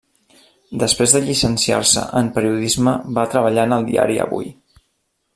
Després de llicenciar-se en Periodisme va treballar en el diari Avui.